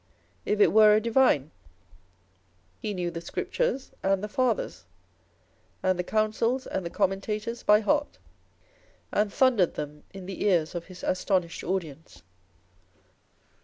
If it were a divine, he knew the Scriptures and the Fathers, and the Councils and the Commentators by heart, and thundered them in the ears of his astonished audience.